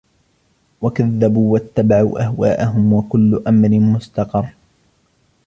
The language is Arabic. وكذبوا واتبعوا أهواءهم وكل أمر مستقر